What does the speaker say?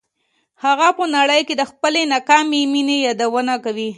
هغه په نړۍ کې د خپلې ناکامې مینې یادونه کوي